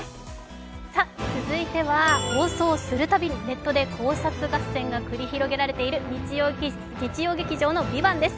続いては、放送するたびにネットで考察合戦が繰り広げられている日曜劇場の「ＶＩＶＡＮＴ」です。